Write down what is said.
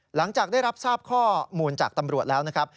หลังจากได้รับทราบข้อมูลจากตำรวจแล้วนะครับ